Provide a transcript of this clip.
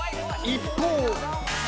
［一方］